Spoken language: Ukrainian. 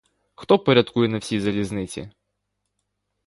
Хто порядкує на всій залізниці?